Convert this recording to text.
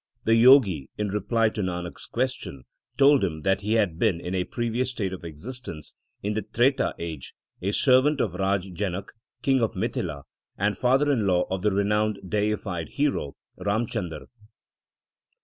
The Jogi, in reply to Nanak s question, told him that he had been, in a previous state of existence in the Treta age, a servant of Raja Janak, King of Mithila, and father in law of the renowned deified hero Ram Chandar.